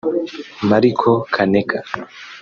Mariko Kaneka